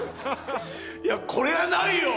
いやこりゃないよ。